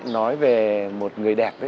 nói về một người đẹp